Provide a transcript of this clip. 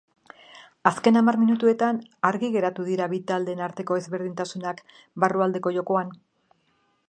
Azken hamar minutuetan argi geratu dira bi taldeen arteko ezberdintasunak barrualdeko jokoan.